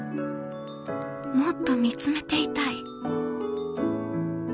もっと見つめていたい。